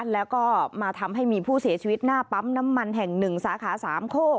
แล้วก็มาทำให้มีผู้เสียชีวิตหน้าปั๊มน้ำมันแห่ง๑สาขาสามโคก